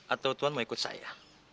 atau tuhan mau ikut saya